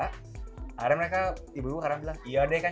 akhirnya mereka ibu ibu karena bilang iya deh kan